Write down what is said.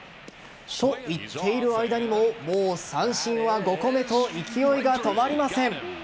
といっている間にももう三振は５個目と勢いが止まりません。